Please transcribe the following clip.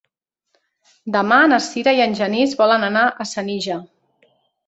Demà na Sira i en Genís volen anar a Senija.